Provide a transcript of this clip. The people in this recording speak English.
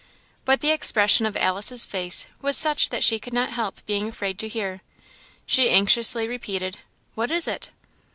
But the expression of Alice's face was such that she could not help being afraid to hear: she anxiously repeated, "what is it?"